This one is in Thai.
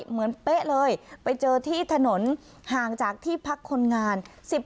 เป๊ะเลยไปเจอที่ถนนห่างจากที่พักคนงาน